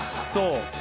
そう。